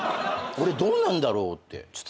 俺どうなんだろうって。